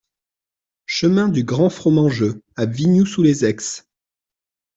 Chemin du Grand Fromangeux à Vignoux-sous-les-Aix